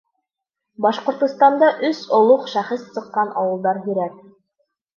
— Башҡортостанда өс олуғ шәхес сыҡҡан ауылдар һирәк.